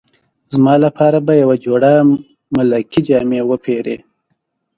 زما لپاره به یوه جوړه ملکي جامې وپیرې.